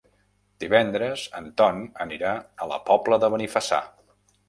Divendres en Ton anirà a la Pobla de Benifassà.